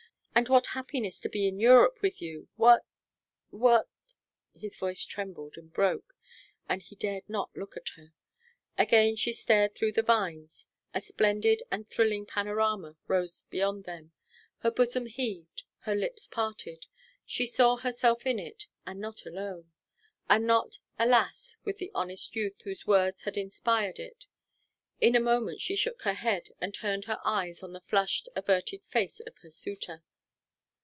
And what happiness to be in Europe with you what what " His voice trembled and broke, and he dared not look at her. Again she stared through the vines. A splendid and thrilling panorama rose beyond them, her bosom heaved, her lips parted. She saw herself in it, and not alone. And not, alas, with the honest youth whose words had inspired it. In a moment she shook her head and turned her eyes on the flushed, averted face of her suitor.